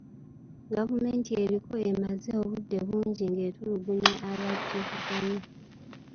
Gavumenti eriko emaze obudde bungi ng'etulugunya abagivuganya.